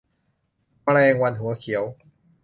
แมลงวันหัวเขียว